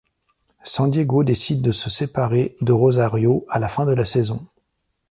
San Diego décide de se séparer de Rosario à la fin de la saison.